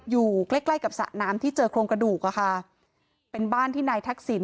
อยู่ใกล้ใกล้กับสระน้ำที่เจอโครงกระดูกอะค่ะเป็นบ้านที่นายทักษิณ